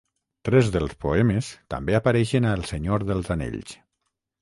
Tres dels poemes també apareixen a "El senyor dels anells".